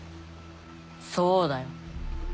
そうだよ。